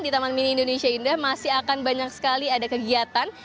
di taman mini indonesia indah masih akan banyak sekali ada kegiatan